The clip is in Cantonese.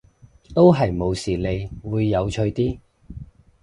都係無視你會有趣啲